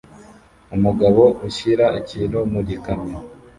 Umugabo ushyira ikintu mu gikamyo